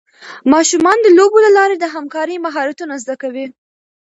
ماشومان د لوبو له لارې د همکارۍ مهارتونه زده کوي.